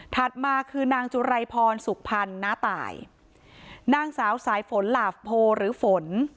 มาคือนางจุไรพรสุขพันธ์น้าตายนางสาวสายฝนหลาบโพหรือฝน